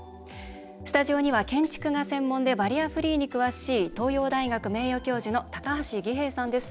スタジオには、建築が専門でバリアフリーに詳しい東洋大学名誉教授の高橋儀平さんです。